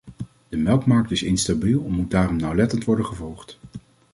De melkmarkt is instabiel en moet daarom nauwlettend worden gevolgd.